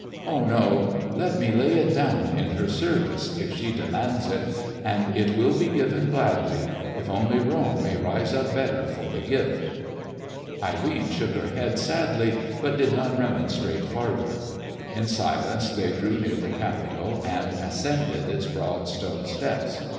Ah, no! let me lay it down in her service, if she demands it, and it will be given gladly—if only Rome may rise up better for the gift!" Irene shook her head sadly but did not remonstrate farther. In silence they drew near the Capitol and ascended its broad stone steps.